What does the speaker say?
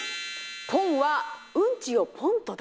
ポンはうんちをポンと出す。